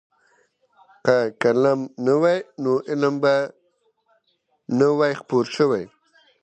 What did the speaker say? که قلم نه وای نو علم به نه وای خپور شوی.